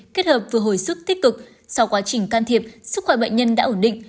kết hợp vừa hồi sức tích cực sau quá trình can thiệp sức khỏe bệnh nhân đã ổn định